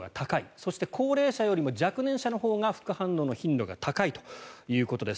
そして高齢者よりも若年者のほうが副反応の頻度が高いということです。